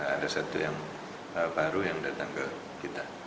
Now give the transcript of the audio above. ada satu yang baru yang datang ke kita